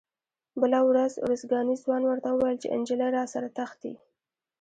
بله ورځ ارزګاني ځوان ورته وویل چې نجلۍ راسره تښتي.